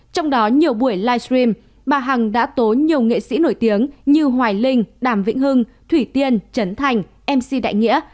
trong đó nhiều buổi livestream bà hằng đã tố nhiều nghệ sĩ nổi tiếng như hoài linh đàm vĩnh hưng thủy tiên trấn thành mc đại nghĩa